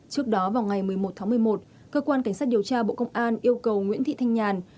trước đó vào ngày một mươi một tháng một mươi một cơ quan cảnh sát điều tra bộ công an yêu cầu nguyễn thị thanh nhàn